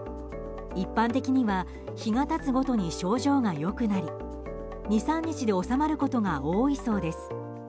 一般的には、日が経つごとに症状が良くなり２３日で収まることが多いそうです。